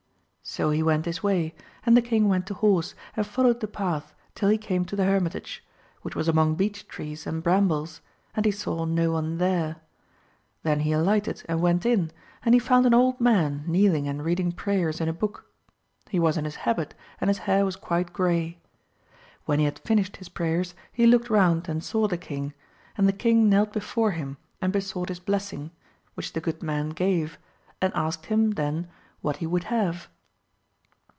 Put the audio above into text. So he went his way and the king went to horse, and followed the path till he came to the hermitage, which was among beech trees and brambles, and he saw no one there ; then he alighted and went in, and he found an old man kneeling and reading prayers in a book ; he was in his habit, and his hair was quite gray. When he had finished his prayers he looked round and saw the king, and the king knelt before him and besought his blessmg, which the good man gave and asked him then what he would have.